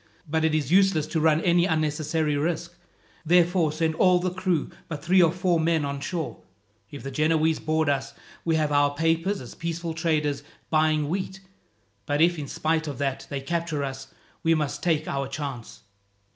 But it is useless to run any unnecessary risk. Therefore send all the crew but three or four men on shore. If the Genoese board us, we have our papers as peaceful traders buying wheat; but if, in spite of that, they capture us, we must take our chance."